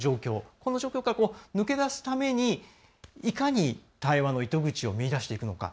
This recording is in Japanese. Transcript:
この状況から抜け出すためにいかに対話の糸口を見出していくのか。